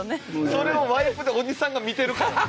それをワイプでおじさんが見てるから。